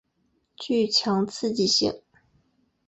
具强刺激性。